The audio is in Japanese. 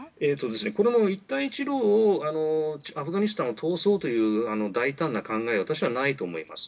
これも一帯一路をアフガニスタンを通そうという大胆な考えは私はないと思います。